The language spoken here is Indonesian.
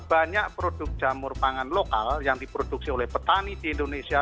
banyak produk jamur pangan lokal yang diproduksi oleh petani di indonesia